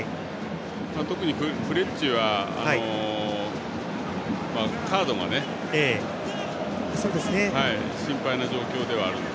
特にフレッジはカードが心配な状況ではあるので。